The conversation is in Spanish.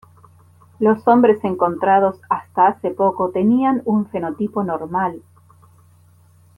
Los hombres encontrados hasta hace poco tenían un fenotipo normal.